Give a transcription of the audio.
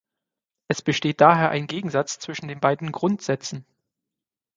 Es besteht daher ein Gegensatz zwischen beiden Grundsätzen.